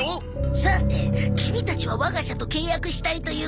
さてキミたちは我が社と契約したいということだが。